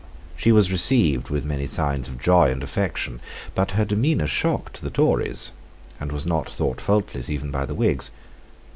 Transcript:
She was received with many signs of joy and affection: but her demeanour shocked the Tories, and was not thought faultless even by the Whigs.